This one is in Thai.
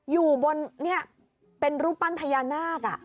อยู่บนนี่เป็นรูปปั้นพญานาค